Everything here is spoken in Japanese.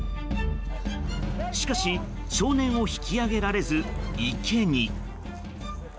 しかし少年を引き上げられず池に。